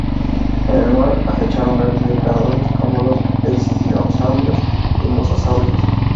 En el mar acechaban grandes depredadores como los plesiosaurios y mosasaurios.